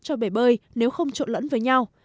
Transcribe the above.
cho bể bơi nếu không trộn lẫn với nhau